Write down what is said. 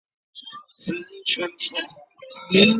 中国切音新字是清末拼音字方案中最早的一种。